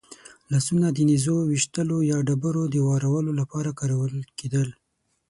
لاسونه د نېزو ویشتلو یا ډبرو د وارولو لپاره کارول کېدل.